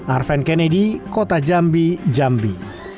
arven kennedy kota jambi jambi